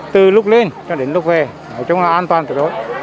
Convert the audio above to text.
từ lúc lên cho đến lúc về nói chung là an toàn tuyệt đối